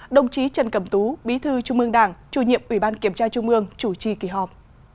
đồng chí trần cẩm tú bí thư trung ương đảng chủ nhiệm ủy ban kiểm tra trung ương chủ trì kỳ họp